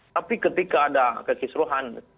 tapi ketika ada kekisruhan